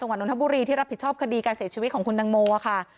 วัดนทบุรีที่รับผิดชอบคดีการเสียชีวิตของคุณตังโมค่ะ